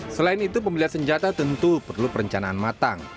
selain itu pembelian senjata tentu perlu perencanaan matang